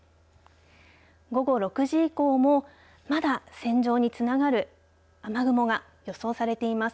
午後６時以降もまだ線状に連なる雨雲が予想されています。